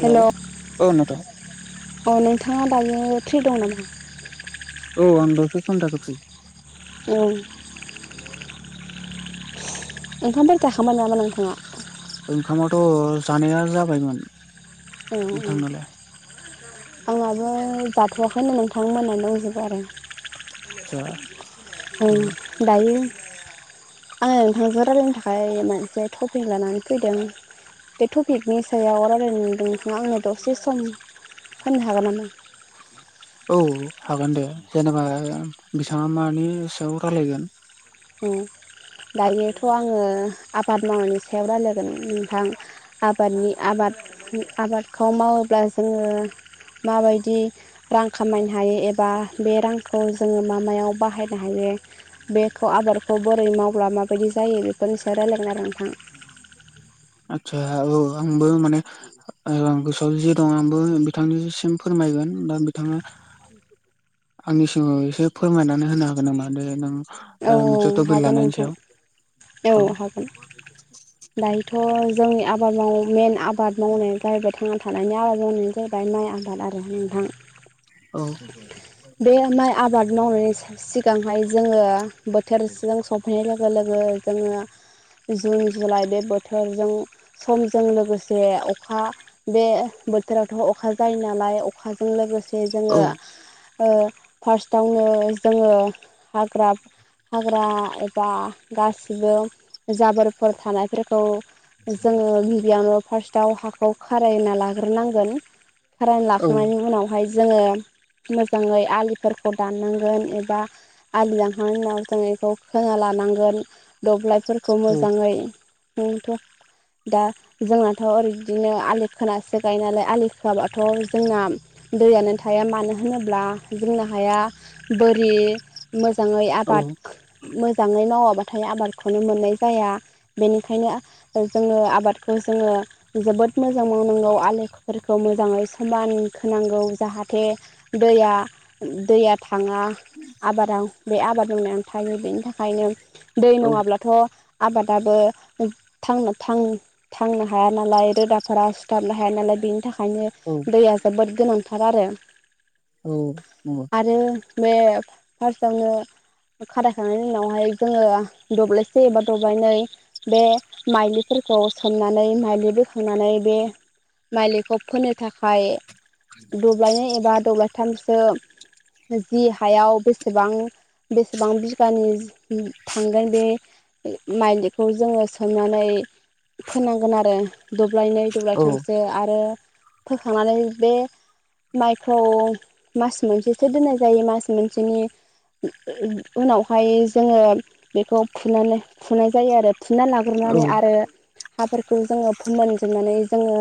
Hello औ नोंथां अ नोंथाङा दायो फ्रि दं नामा औ आं दसे समनि थाखाय फ्रि औ ओंखामफोर जाखांबाय नामा नोंथाङा ओंखामथ' जानाया जाबायमोन बिथांनालाय औ-औ आंहाबो जाथ'वाखैनो नोंथां मोननानै दंजोबो आरो आतसा ओं दायो आङो नोंथांजों रायलायनो थाखाय मोनसे टपिक लानानै फैदों बे टपिकनि सायाव अ रायल्लाय नदों नोंथाङा आंनो दसे सम होनो हागोन नामा औ हागोन दे जेनेबा बिथाङा मानि सायाव रायलायगोन दायोथ' आङो आबाद मावनायनि सायाव रायलायगोन नोंथां आबादनि आबाद आबादखौ मावोब्ला जोङो माबायदि रां खामायनो हायो एबा बे रांखौ जोङो मा मायाव बाहायनो हायो खौ आबादखौ बोरै मावब्ला माबायदि जायो बेखौ नोंसोर रायलायगोना नोंथां आतसा औ आंबो माने आं गोसोआव ज दं आंबो बिथांनिसिम फोरमायगोन दा बिथाङा आंनि सिगाङाव एसे फोरमायनानै होनो हागोन नामा दे नों नोंथां औ ओ मोनसे टपिक हागोन लानायनि नोंथां सायाव औ हागोन दायोथ' जोंनि आबाद माव मेन आबाद मावनाया जाहैबाय [unintelligible] थानायनि आबाद मावनायानो जाहैबाय माइ आबाद आरो नोंथां औ बे माइ आबाद मावनायनि सिगांहाय जोङो बोथोरजों सफैनाय लोगो लोगो जोङो जुन जुलाइ बे बोथोरजों समजों लोगोसे अखा बे बोथोरावथ' अखा जायो नालाय अखाजों लोगो से औ जोङो फार्स्टआवनो जोङो हाग्रा हाग्रा एबा गासिबो जाबोरफोर थानायफोरखौ जोङो गिबियावनो फार्स्टआव हाखौ खारायना लाग्रोनांगोन फारना औ लाखांनायनि उनाव बेहाय जोङो मोजाङै आलिफोरखौ दाननांगोन एबा आलि दानखांनायनि उनाव जों बेखौ खोना लानांगोन दब्लायफोरखौ औ मोजाङै दा जोंनाथ' ओरै बिदिनो आलि खोनासो गायो नालाय आलि खोआबाथ' जोंना दैयानो थाया मानो होनोब्ला बुंनो हाया बोरि मोजाङै आबाद मोजाङै मावाब्लाथाय आबादखौनो मोननाय जाया बेनिखायनो जोङो आबादखौ जोङो जोबोद मोजां मावनांगौ आलोफोरखौ मोजाङै समान होनोनांगौ जाहाथे दैया दैया थाङा। आबादाव बे आबाद मावनायनानै थायो बेनि थाखायनो दै औ नङाब्लाथ'। आबादाबो थांनो थां थांनो हाया नालाय रोदाफोरा सिुथाबनो हाया नालाय बेनि थाखायनो। औ दैया जोबोद गोनांथार आरो। औ म आरो बे फार्स्टआवनो खारायखांनायनि उनावहाय जोङो दब्लायसे एबा दब्लायनै बे माइलिफोरखौ सोमनानै माइलि बोखांनानै बे मालिखौ फोनो थाखाय दब्लायनाय एबा दब्लायथामसो जि हायाव बेसेबां गोबां बिगानि थांगोन बे माइलिखौ जोङो सोमनानै फोनांगोन आरो। दब्लायनै औ दब्लायथामसो आरो फोखांनानै बे माइखौ मास मोनसेसो दोननाय जायो मास मोनसेनि उनावहाय जोङो बेखौ फ-फुनाय जायो आरो फुना औ लाग्रोनानै आरो हाफोरखौ जोङो फोमोनजोबनानै जोङो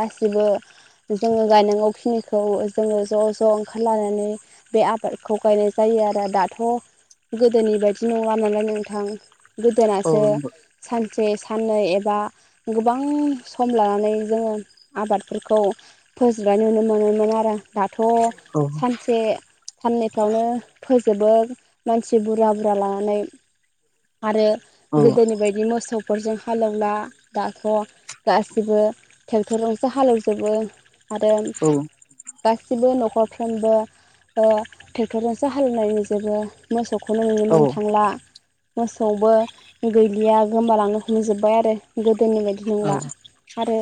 गासिबो जोङो गायनांगौखिनिखौ जोङो ज' ज' ओंखारलानानै। बे आबादखौ गायनाय जायो आरो दाथ' गोदोनि बायदि नङा नालाय नोंथां औ गोदोनासो नंगौ सानसे साननै एबा गोबां सम लानानै जोङो आबादफोर फोजोबनाय नुनो मोनोमोन आरो दाथ' औ सानसे साननैफ्रावनो फोजोबो मानसि बुरजा बुरजा लानानै आरो औ गोदोनि बायदि मोसौ टरजों हालेवना दाथ' गासिबो ट्रेक्टरजोंसो हालेवजोबो। आरो। गासिबो न'खरफ्रोमबो ट्रेक्टरजोंसो हाेवनायजोबो मोसौखौनो नुनो औ मोननो थांला मोसौबो गैलिया गोमबाालांनो होनजोबबाय आरो गोदोनि बायदि औ नंलिया आरो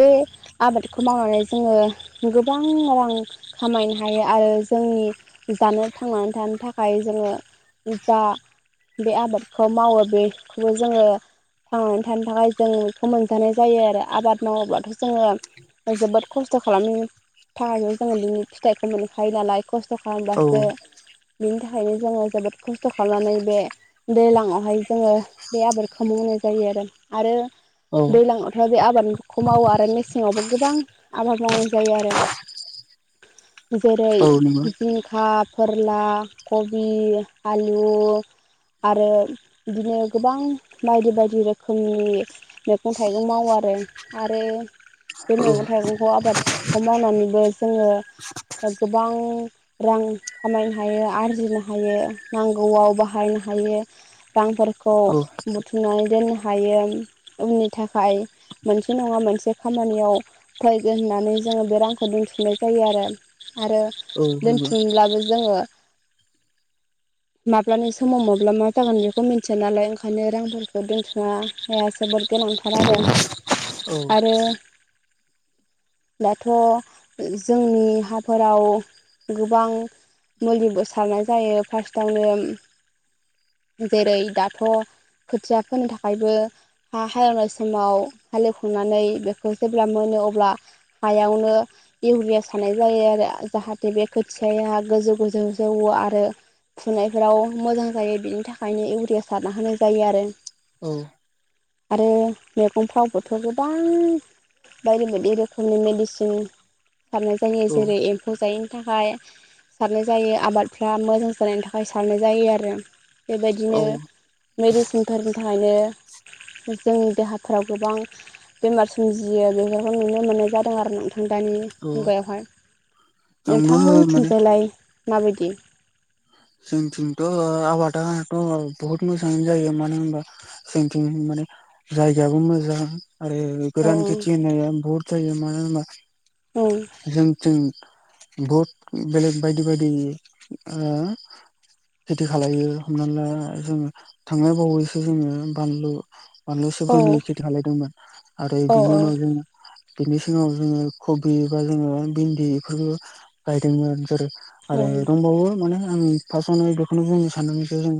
बे आबादखौ मावनानै जोङो गोबां रां खामायनो हायो आरो जोंनि जानो थांनानै थानो थाखाय। जोङो जा बे आबादखौ मावो बेखौबो जोङो। थांनानै थानो थाखाय जों बेखौ मोनजानाय जायो आरो आबाद मावोबाथ' जोङो। जोबोद खस्थ' खालामनो थाखायायो जोङो बिनि फिथाइखौ मोननोखायो नालाय खस खस्थ' औ खालामबासो बिनि थाखायनो जोङो जोबोद खस्थ' खालामनानै बे दैज्लाङावहाय जोङो बे आबादखौ मावनाय जायो आरो। आरो औ दैज्लाङाव ओमफाय बे आबादखौ मावो आरो मेसेङावबो गोबां आबाद मावनाय जायो आरो। औ नंगौ जेरै जिंखा केरेला कबि, आलु आरो बिदिनो गोबां बायदि बायदि रोखोमनि मैगं-थाइगं मावो आरो आरो बे औ मैगं-थाइगंखौ आबादखौ मावनानैबो जोङो आ गोबां रां खामायनो हायो। आरजिनो हायो नांगौआव बाहायनो हायो रांफोरखौ। औ बुथुमनानै दोननो हायो उननि थाखाय मोनसे नङा मोनसे खामानियाव फैगोन होननानै जोङो बे रांखौ दोनथिुमनाय जायो आरो आरो औ नंगौ दोनथुमब्लाबो जोङो माब्लानि समाव माब्ला मा जागोन बेखौ मिथिया नालाय ओंखायनो रांफोरखौ दोनथुमा' ए बोरटि आथाला औ आरो दाथ' जोंनि हाफोराव गोबां मुलिबो सारनाय जायो फार्स्टआवनो जेरै दाथ' खोथिया फोनो थाखायबो हा हालेवनाय समाव हालेवखांनानै बेखौ जेब्ला मोनो अब्ला हायावनो इउरिया सानाय जायो आरो जाहाथे बे खोथियाया गोजौ गोजौ जौवो आरो फुनायफोराव मोजां जायो बिनि थाखायनो इउरिया सारना होनाय जायो आरो औ आरो मैगंफ्रावबोथ' गोबां बायदि बायदि रोखोमनि मेडिसिन सारनाय जायो औ जेरै एम्फौ जायैनि थाखाय सारनाय जायो आबादफ्रा मोजां जानायनि थाखाय सारनाय जायो आरो औ बेबायदिनो मेडिसिनफोरनि थाखायनो जोंनि देहाफ्राव गोबां बेमार सोमजियो बेफोरखौ नुनो मोननाय जादों आरो नोंथां दानि औ मुगायावहाय आंबो माने नोंथांमोननिथिनजनायलाय माबायदि जोंथिंथ' आबाटाथ' बहुत मोसाङानो जायो मानो होनबा सोंथिं माने जायगायाबो मोजां आरो औ गोरान खेथि होना बहुत जायो मानो होनबा औ जोंनीथि बहद बेलेग बायदि बायदि खेथि खालामायो हमना ला जोङो थांनाय बावैसो जोङो बानलु बानलु औ औ सिब्रनि खेथि खालायदोंमोन आरो औ बिनि औ उनाव जों बिनि सिगाव जोङो कबि बा जोङो भिन्दि बेफोरफोरखौ गायदोंमोन जेरै आरो दंबावो माने आं फार्स्टआवनो बेखौनो बुंनो सानदों जे जों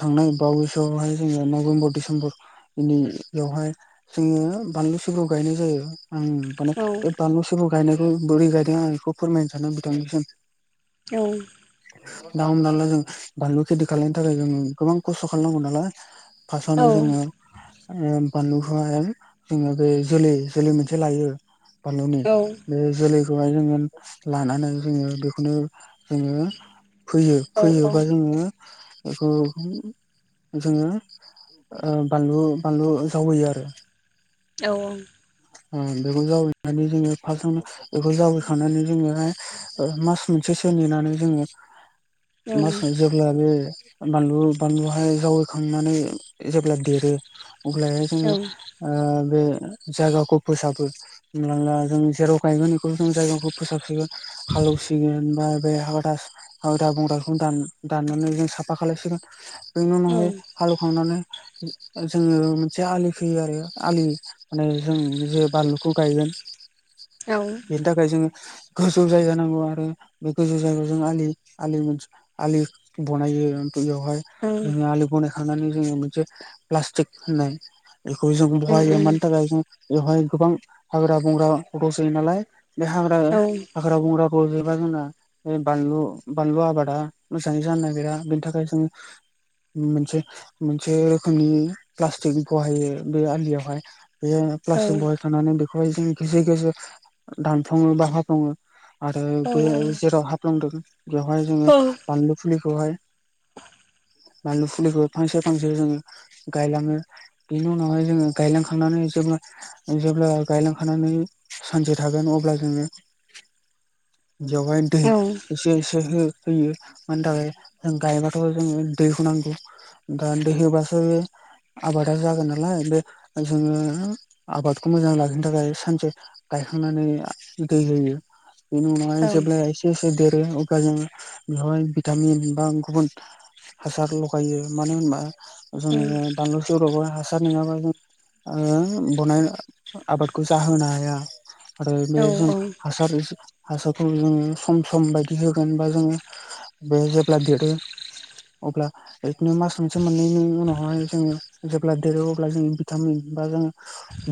थांनाय बावैसोआवहाय जोङो नभेम्बर डिसेम्बर बेयावहाय जोङो बानलु सिब्र गायनाय जायो आं माने बे बानलु सिबो गायनायखौ बोरै गायदों आं बेखौ फोरमायनो सानदों बिथांनिसिम औ दा हमना ला जों बानलु खेथि खालामनो थाखाय जोंङो गोबां खस्थ' खालामनांगौ नालाय औ फार्स्टआवनो जोङो बानलुखौ जोङो बे जोलै जोलै मोनसे लायो फानलौनि बे जोलैखौहाय जोङो लानानै जोङो बेखौनो जोङो फैयो औ फैयोबा जोङो बेखौ जोङो बानलु बानलु जावैयो आरो औ बेखौ जावैनानै जोङो फार्स्टआवनो बेखौ जावैखांनानै जोङो मास मोनसेसो नेनानै जोङो मास औ मोनसे अब्ला बे बानलु बानलुहाय जावैखांनानै जेब्ला देरो अलहाय औ जोङो बे जायगाखौ फोसाबो होनब्लाा जों जेराव गायगोन बेखौ जों जायगाखौ फोसाबसिगोन हालौसिगोन बा हथ आयदा बंग्राखौ दाननानै जों साफा खालायसिगोन बेनि औ उनावहाय हालौवखांनानै जोङो मोनसे आलि खोयो आरो आलि माने जों जे बानलुखौ गायगोन औ बेनि थाखाय जोङो गोजौ जायगा नांगौ आरो बे गोजौ जायगायाव जों आलि आलि मोनसे आलि बनायो बेवहाय जोङो आलि बना थांनानै जोङो मोनसे प्लास्टिक होननाय बेखौ जों बहायो मानि थाखाय जों बेवहाय गोबां हाग्रा बंग्रा रजयो नालाय बे हाग्रा। हाग्रा बंग्राखौ जेनेबा जोंना बे बानलु बानलु आबादा मोजाङै जानो नागिरा बेनि थाखाय जों मोनसे मोनसे रोखोमनि प्लास्टिक बहायो बे आलियावहाय बेयो प्लास्टिक बहाय थानानै बेखौहाय जों गेजेर गेजेर दानफ्लाङो बा हाफ्लाङो आरो बे जेराव हाब्लंदों बेवहाय जोङो बानलु फुलिखौहाय बानलु फुलिखौ फांसे फांसे जोङो गायलाङो बेनि उनावहाय जोङो गायलांखांनानै जोङो। जेब्ला गायलांखानानै सानसे थागोन अब्ला जोङो बेवहाय दै एसे हो होयो मानि थाखाय जों गायबाथ' जोङो दैखौ नांगौ। ओ दै होबाथाय आबादा जागोन नालाय जोङो आबादखौ मोजां लाखिनो थाखाय सानसे गायखांनानै दै होयो बेनि उनावहाय जेब्ला एसे एसे देरो जों बेवहाय भिटामिन बा गुबुन हासार लगायो मानो होनबा जोङो बानलु जौरावा हासार नङाबा जों ओ बनाय आबादखौ जाहोनो हाया आरो बे जों हासार हासारखौ जोङो सम सम बायदि होगोन बा जोङो बे जेब्ला देरो अब्ला। बिदिनो मास मोनसे मोननैनि उनावहाय जोङो जेब्ला देरो अब्ला जोङो भिटामिन बा जोङो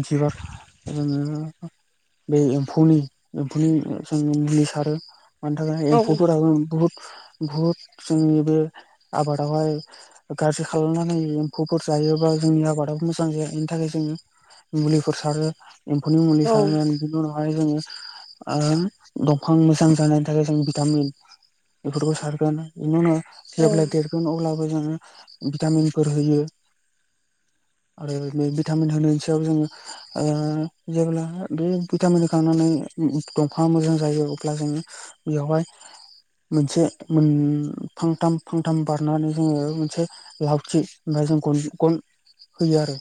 जिबा जोङो बे एम्फौनि एम्फौनि जोङो मुलि सारो एम्फौफोराब बहुद बुहुद जोंनि बे आबादावहाय गाज्रि खालामनानै एम्फौफोर जायोबा जोंनि आबादाबो मोजां जाया बेनि थाखाय जोङो मुलिफोर सारो एम्फौनि मुलि सारनानै बिनि उनावहाय जोङो आ दंफां मोजां जानाय जों भिटामिन बेफोरखौ सारगोन बेनि उनो जेब्ला देरगोन अब्ला ओमफ्राय जों भिटामिनफोर होयो आरो बे भिटामिन होनायनि सायाव जोङो ओ जेब्ला बे भिटामिन होखांनानै दंफाङा मोजां जायो अब्ला जोङो बेयावहाय मोनसे मोन फांथाम फांथाम बारनानै जोङो मोनसे लावथि ओमफ्राय जों गन गन होयो आरो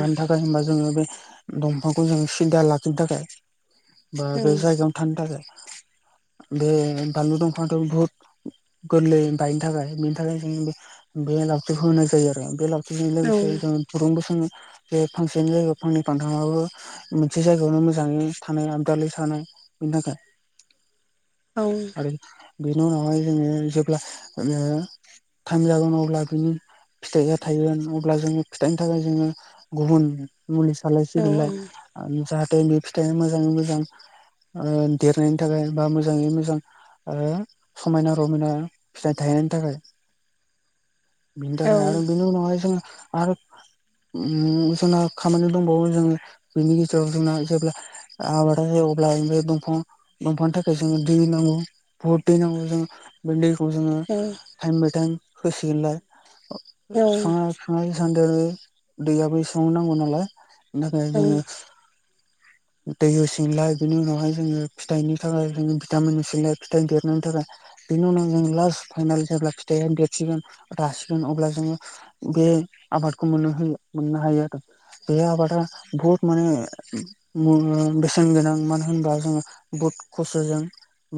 मानि थाखाय होमबा जोङो बे दंफांखौ जोङो सिदा लाखिनो थाखाय बा बे जायगायावनो थानो थाखाय बे बानलु दंफाङाथ' बुहुत गोरलै बायनो थाखाय बेनि थाखाय जों बे बे लावथिखौ होनाय जायो आरो बे लाव बेजों लोगोसे जों दुरुंबो सोङो जे फांसेनि जायगायाव फांनै फानथामो मोनसे जायगायावनो मोजाङै थानाय आददालि थानाय बेनि थाखाय औ आरो बेनि उनावहाय जोङो जेब्ला ओ टाइम जागोन अब्ला बिनि फिथाइया थायगोन अब्ला जोङो फिथाइनि थाखाय जोङो गुबुन मुलि सालायसिगोनलाय जाहाथे बे फिथाइआ मोजाङै मोजां ओ देर नायनि थाखाय बा मोजाङै मोजां ओ समायना रमायना फिथाइ थाइनायनि थाखाय [inaudible] बेनि थाखाय आरो बेनि उनावहाय जोङो आरो उम जोंना खामानि दंबावो जोङो बेनि गेजेराव जोंना जेब्ला आबादा जायो अब्ला बे दंफां दंफांनि थाखाय जोङो दै नांगौ बुहुत दै नांगौ जोङो बे दैखौ जोङो टाइम बाय टाइम होसिगोनलाय फिफाङा [unintelligible] दैयाबो एसेबांनो नांगौ नालाय बेनि थाखाय जोङो दै होसिगोनलाय बिनि उनावहाय जोङो फिथाइनि थाखाय जोङो भिटामिन होसिगोनलाय फिथाइ देरनायनि थाखाय बेनि उनाव जों लास फाइनाल जेब्ला फिथाया देरसिगोन, रासिगोन अब्ला जोङो बे आबादखौ मोननो होयो मोननो हायो आरो बे आबादा बहुत माने ओम बेसेन गोनां मानो होनबा जोङो बुद खस्थ'जों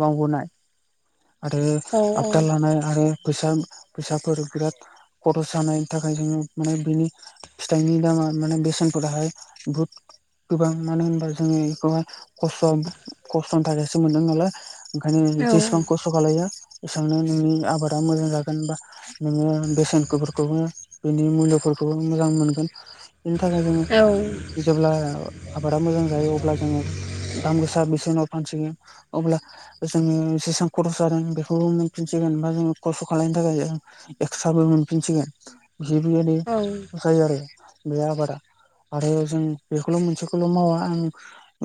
मावबोनाय आरो आबदा लानाय आरो फैसा फैसाफोर बिराद खर'स जानायनि थाखाय जोङो माने बिनि फिथाइनि दामा माने बेसेनफोराहाय बुहुद गोबां मानो होनबा जोङो बेखौहाय खस्थ' खस्थ'नि थाखायसो मोनदों नालाय ओंखायनो जेसेबां खस स्थ' खालायो एसांनो नोंनि आबादा मोजां जागोन बा नोङो बेसेनखोफोरखौबो बेनि मुल्य'फोरखौबो मोजां मोनगोन बिनि थाखाय जोङो जेब्ला आबादा मोजां जायो अब्ला जोङो दाम गोसा बेसे [unintelligible] फानसिगोन अब्ला जोङो जेसां खर'स जादों बेखौ मोनफिनसिगोन बा जोङो खस्थ' खालायनो थाखाय जों एक्स्राबो मोनफिनसिगोन थिगबेबादि जायो आरो बे आबादा आरो जों बेखौल' मोनसेखौल' मावा आं